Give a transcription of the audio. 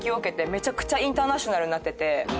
めちゃくちゃインターナショナルになってて。